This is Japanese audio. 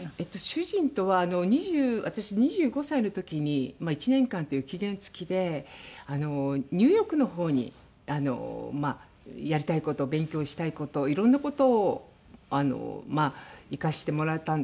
主人とは私２５歳の時に１年間っていう期限付きでニューヨークの方にやりたい事勉強したい事いろんな事まあ行かせてもらったんですね。